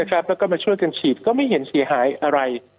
แล้วก็มาช่วยกันฉีดก็ไม่เห็นเสียหายอะไร